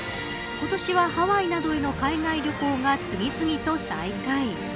今年はハワイなどへの海外旅行が次々と再開。